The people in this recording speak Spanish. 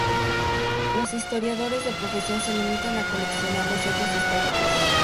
Los historiadores de profesión se limitan a coleccionar los hechos históricos.